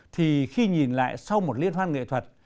thì khi nhìn lại sau một liên hoan nghệ thuật